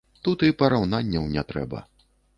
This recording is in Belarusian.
Тут і параўнанняў не трэба.